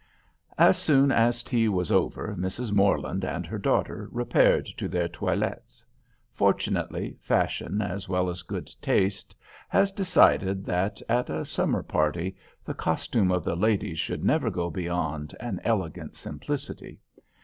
As soon as tea was over, Mrs. Morland and her daughter repaired to their toilettes. Fortunately, fashion as well as good taste, has decided that, at a summer party, the costume of the ladies should never go beyond an elegant simplicity.